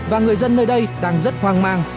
và người dân nơi đây đang rất hoang mang